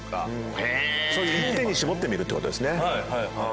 そういう一点に絞ってみるってことですね。